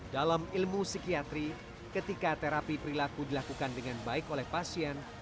dalam ilmu psikiatri ketika terapi perilaku dilakukan dengan baik oleh pasien